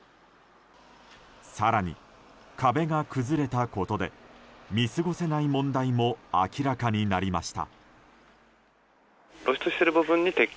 更に、壁が崩れたことで見過ごせない問題も明らかになりました。